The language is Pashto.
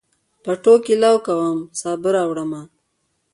پټوکي لو کوم، سابه راوړمه